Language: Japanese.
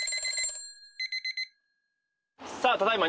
さあただいま